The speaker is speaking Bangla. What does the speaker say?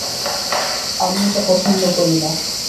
আমি এটা পছন্দ করি না।